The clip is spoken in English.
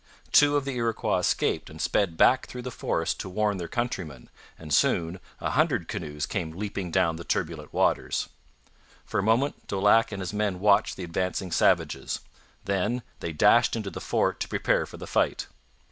Two of the Iroquois escaped and sped back through the forest to warn their countrymen, and soon a hundred canoes came leaping down the turbulent waters. For a moment Daulac and his men watched the advancing savages. Then they dashed into the fort to prepare for the fight.